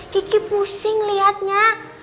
kiki pusing liatnya